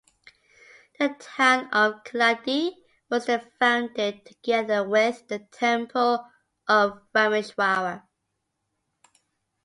The town of Keladi was then founded, together with the temple of Rameshwara.